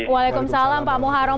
waalaikumsalam pak moharom